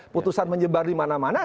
putusan menyebar di mana mana